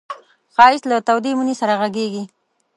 ښایست له تودې مینې سره غږېږي